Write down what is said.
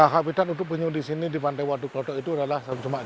ya khabibitan untuk penyu di sini di pantai waduk lodok itu adalah